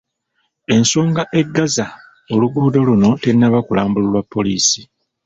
Ensonga eggazza oluguudo luno tennaba kulambululwa poliisi